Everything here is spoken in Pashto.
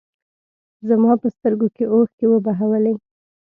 زما په سترګو کې اوښکې وبهولې.